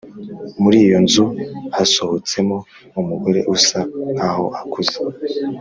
muriyo nzu hasohotsemo umugore usa nkaho akuze